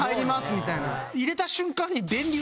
みたいな。